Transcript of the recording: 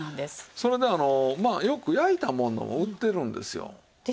それでまあよく焼いたものを売ってるんですよ。ですよね。